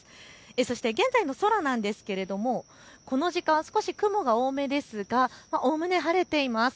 そして現在の空なんですがこの時間、少し雲が多めですがおおむね晴れています。